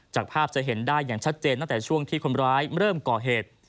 จากภาพจะเห็นได้อย่างชัดเจนตั้งแต่ช่วงที่คนร้ายเริ่มก่อเหตุ